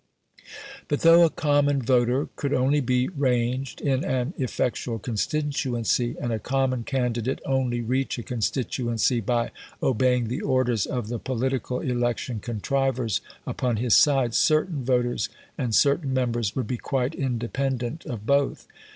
But though a common voter could only be ranged in an effectual constituency, and a common candidate only reach a constituency by obeying the orders of the political election contrivers upon his side, certain voters and certain members would be quite independent of both.